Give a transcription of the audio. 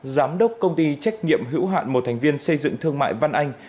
giám đốc công ty trách nhiệm hữu hạn một thành viên xây dựng thương mại văn anh